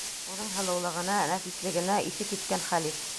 Уның һылыулығына, нәфислегенә иҫе киткән хәлиф: